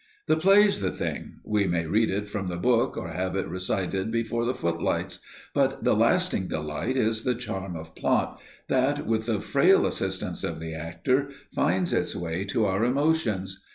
The play's the thing we may read it from the book or have it recited before the footlights, but the lasting delight is the charm of plot that, with the frail assistance of the actor, finds its way to our emotions.